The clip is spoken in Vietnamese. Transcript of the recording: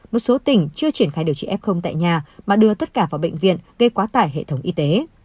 một số tỉnh chưa triển khai điều trị f tại nhà mà đưa tất cả vào bệnh viện gây quá tải hệ thống y tế